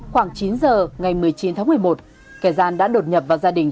khoảng chín giờ ngày một mươi chín tháng một mươi một kẻ gian đã đột nhập vào gia đình